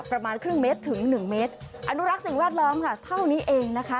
ประมาณครึ่งเมตรถึงหนึ่งเมตรอนุรักษ์สิ่งแวดล้อมค่ะเท่านี้เองนะคะ